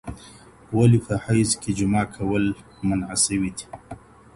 ولي په حيض کي جماع کول منع سوي دي؟